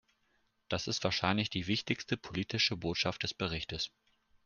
Das ist wahrscheinlich die wichtigste politische Botschaft des Berichtes.